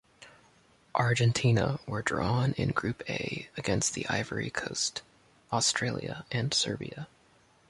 Argentina were drawn in Group A against the Ivory Coast, Australia and Serbia.